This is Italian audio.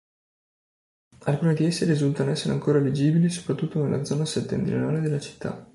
Alcune di esse risultano essere ancora leggibili soprattutto nella zona settentrionale della città.